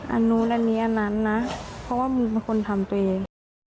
อันนู้นอันนี้อันนั้นนะเพราะว่ามึงเป็นคนทำตัวเอง